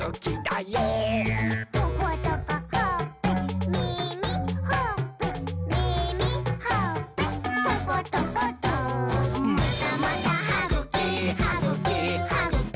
「トコトコほっぺ」「みみ」「ほっぺ」「みみ」「ほっぺ」「トコトコト」「またまたはぐき！はぐき！はぐき！